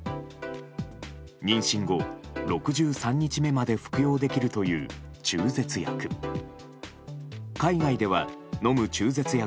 妊娠後６３日目まで服用できるという中絶薬。